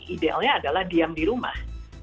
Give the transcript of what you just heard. idealnya adalah diam di rumah